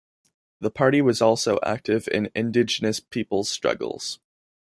The party was also active in indigenous people's struggles.